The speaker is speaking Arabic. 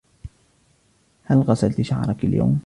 هل غسلت شعرك اليوم؟